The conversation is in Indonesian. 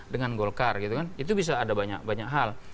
dengan golkar itu bisa ada banyak hal